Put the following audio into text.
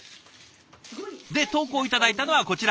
で投稿頂いたのはこちら。